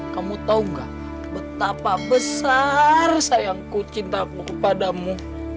kamu tahu gak betapa besar sayangku cintaku padamu